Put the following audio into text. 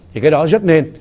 thì cái đó rất nên